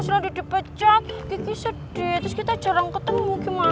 sampai jumpa di video selanjutnya